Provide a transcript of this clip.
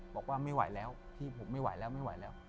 บอกว่าไม่ไหวแล้วพี่ผมไม่ไหวแล้ว